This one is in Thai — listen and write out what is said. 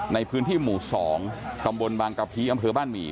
ในพื้นที่หมู่๒ตำบลบางกะพีอำเภอบ้านหมี่